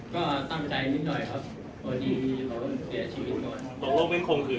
ก็ตั้งใจนิดหน่อยครับ